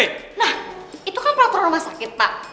nah itu kan pelaporan rumah sakit pak